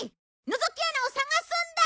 のぞき穴を探すんだ！